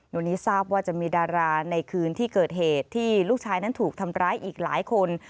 วันนี้ทราบว่าจะมีดาราในคืนที่เกิดเหตุที่ลูกชายนั้นถูกทำร้ายอีกหลายคน